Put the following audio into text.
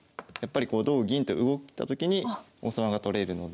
こう同銀と動いたときに王様が取れるので。